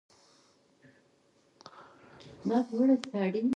تر راتلونکي کاله به انشاالله نوی جومات جوړ شي.